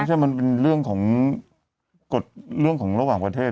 ไม่ใช่มันเป็นเรื่องของกฎเรื่องของระหว่างประเทศ